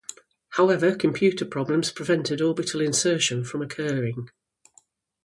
However, computer problems prevented orbital insertion from occurring.